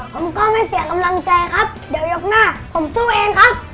ผมก็ไม่เสียกำลังใจครับเดี๋ยวยกหน้าผมสู้เองครับ